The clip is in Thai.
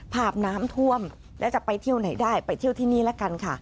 ภาพน้ำท่วมและจะไปเที่ยวไหนได้ไปเที่ยวที่นี่ละกันค่ะ